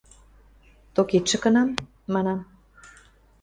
– Токетшӹ кынам? – манам.